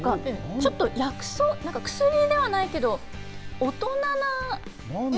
ちょっと、薬ではないけど、大人な。